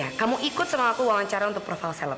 ya kamu ikut sama aku wawancara untuk profile seleb